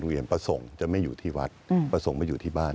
เรียนประสงค์จะไม่อยู่ที่วัดประสงค์ไม่อยู่ที่บ้าน